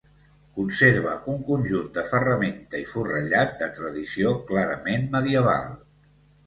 Conserva un conjunt de ferramenta i forrellat de tradició clarament medieval.